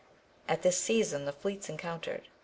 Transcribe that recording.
At this season the fleets encountered.